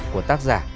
của tác giả